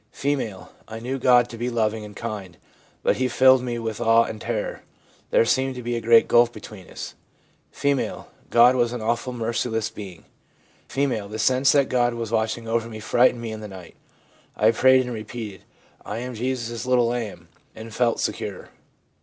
F. ' I knew God to be loving and kind, but He filled me with awe and terror; there seemed to be a great gulf between us.' F. ' God was an awful, merciless being.' F. 'The sense that God was watching over me frightened me in the night. I prayed and repeated, " I am Jesus' little lamb," and felt secure.'